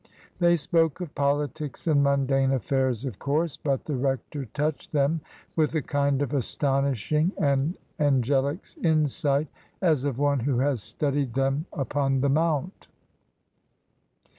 They spoke of politics and mun dane affairs, of course; but the rector touched them with a kind of astonishing and angelic insight as of one who has studied them upon the Mount.